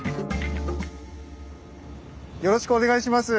よろしくお願いします。